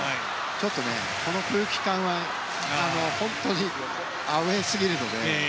ちょっと、この空気感は本当にアウェーすぎるので。